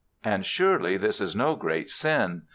And surely this is no great sin.